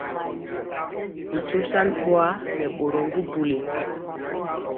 Bi shoshan bɔa nɛ bɔrmɔm bubuli.